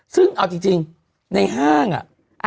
ซึ่งเอาจริงในห้างอ่ะ